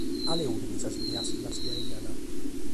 Cale fiant sas ideas chi las ghiaiant?